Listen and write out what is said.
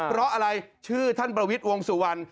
เพราะอะไรชื่อท่านประวิทย์วงสุวรรณ